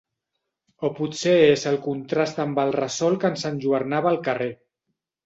O potser és el contrast amb el ressol que ens enlluernava al carrer.